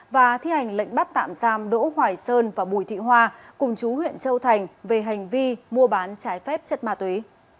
và thi hành lệnh bắt tạm giam đỗ hoài sơn và bùi thị hoa cùng chú huyện châu thành về hành vi mua bán trái phép chất ma túy